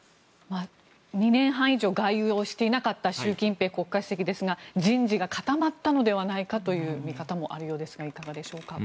２年半以上外遊をしていなかった習近平国家主席ですが人事が固まったのではないかという見方もあるようですがいかがでしょうか。